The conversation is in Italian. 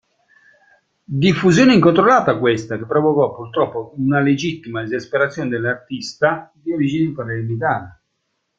Diffusione incontrollata, questa, che provocò purtroppo una legittima esasperazione nell'artista di origine palermitana.